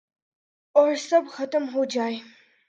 اور سب ختم ہوجائے